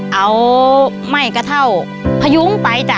เอาไหม้กระเท่าพยุ้งไปจ้ะ